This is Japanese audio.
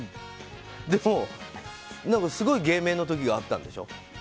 でも、すごい芸名の時があったんでしょ？